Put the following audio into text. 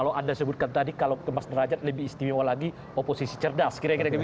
saya sebutkan tadi kalau mas derajat lebih istimewa lagi oposisi cerdas